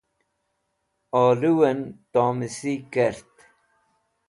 olu'en tomsi kert